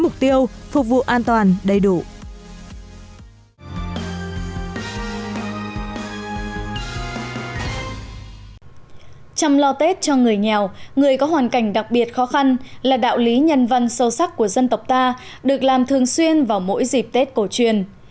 chăm lo tết cho người nghèo người có hoàn cảnh đặc biệt khó khăn là đạo lý nhân văn sâu sắc của dân tộc ta được làm thường xuyên vào mỗi dịp tết cổ truyền